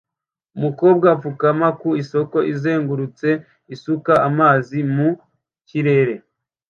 Umukobwa apfukama ku isoko izengurutse isuka amazi mu kirere